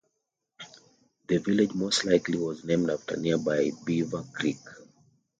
The village most likely was named after nearby Beaver Creek.